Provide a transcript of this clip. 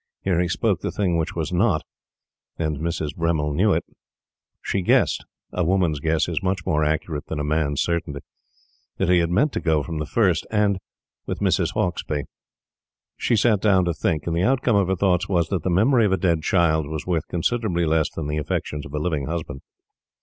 Here he spoke the thing which was not; and Mrs. Bremmil knew it. She guessed a woman's guess is much more accurate than a man's certainty that he had meant to go from the first, and with Mrs. Hauksbee. She sat down to think, and the outcome of her thoughts was that the memory of a dead child was worth considerably less than the affections of a living husband.